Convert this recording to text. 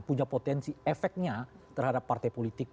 punya potensi efeknya terhadap partai politik